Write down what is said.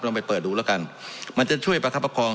ไปเปิดดูแล้วกันมันจะช่วยประคับประคอง